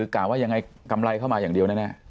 กำไรเข้ามาอย่างเดียวแน่